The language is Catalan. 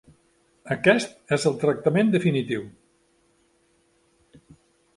Aquest és el tractament definitiu.